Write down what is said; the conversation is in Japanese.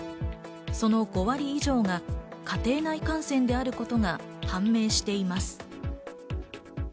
その５割以上が家庭内感染であることが判明しています。